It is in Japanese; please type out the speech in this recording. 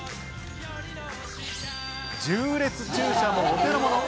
縦列駐車もお手のもの。